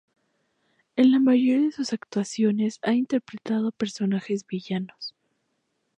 En la mayoría de sus actuaciones ha interpretado personajes villanos.